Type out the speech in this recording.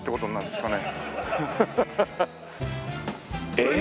えっ！？